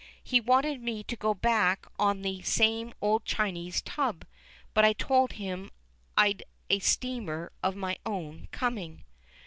He wanted me to go back on the same old Chinese tub, but I told him I'd a steamer of my own coming."